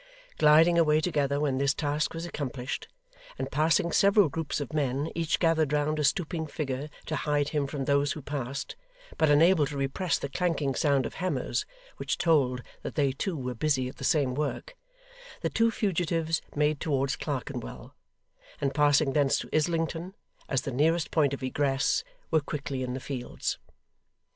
Gliding away together when this task was accomplished, and passing several groups of men, each gathered round a stooping figure to hide him from those who passed, but unable to repress the clanking sound of hammers, which told that they too were busy at the same work, the two fugitives made towards Clerkenwell, and passing thence to Islington, as the nearest point of egress, were quickly in the fields.